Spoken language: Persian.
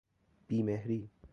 بی مهری